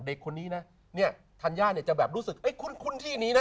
เด็กคนนี้นะเนี่ยธัญญาเนี่ยจะแบบรู้สึกไอ้คุ้นที่นี้นะ